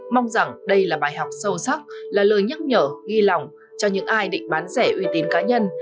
mong rằng đây là bài học sâu sắc là lời nhắc nhở ghi lòng cho những ai định bán rẻ uy tín cá nhân